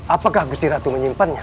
apakah gusti ratu menyimpannya